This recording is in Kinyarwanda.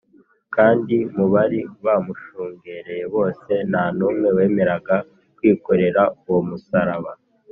kandi mu bari bamushungereye bose, nta n’umwe wemeraga kwikorera uwo musaraba